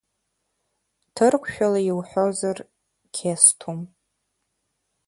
Ҭырқәшәала иуҳәозар, қьесҭум.